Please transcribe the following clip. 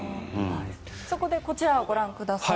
そこでこちらをご覧ください。